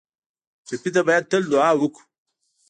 ټپي ته باید تل دعا وکړو